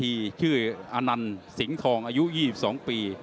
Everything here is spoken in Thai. จรวดศึกอนันทร์สิงห์ทองอายุ๒๒ปี